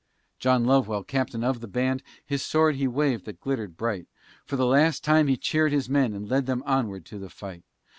John Lovewell, captain of the band, His sword he waved, that glittered bright, For the last time he cheered his men, And led them onward to the fight.